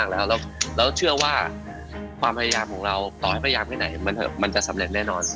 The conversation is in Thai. แล้วเชื่อว่าความพยายามของเราต่อให้พยายามที่ไหนมันจะสำเร็จแน่นอน